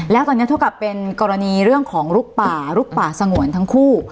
แล้วตอนนี้เท่ากับเป็นกรณีเรื่องของลุกป่าลุกป่าสงวนทั้งคู่